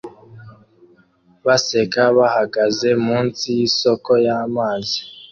baseka bahagaze munsi yisoko y'amazi